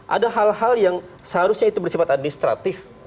ada hal hal yang seharusnya itu bersifat administratif